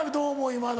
今の。